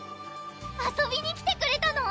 遊びに来てくれたの？